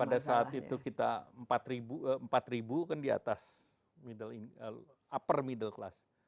pada saat itu kita empat ribu kan di atas upper middle class